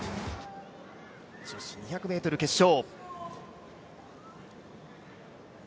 女子２００ｍ決勝。